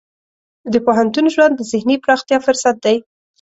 د پوهنتون ژوند د ذهني پراختیا فرصت دی.